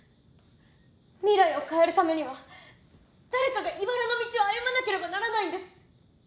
未来を変えるためには誰かがいばらの道を歩まなければならないんです。